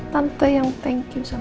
tante yang thank you sama